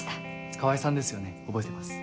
川合さんですよね覚えてます。